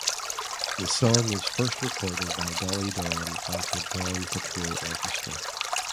The song was first recorded by Dolly Dawn and her Dawn Patrol Orchestra.